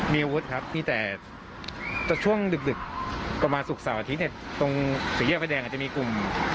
มีอาวุธครับมีแต่ช่วงดึกประมาณศุกร์เสาร์อาทิตย์เนี่ยตรงสี่แยกไฟแดงอาจจะมีกลุ่ม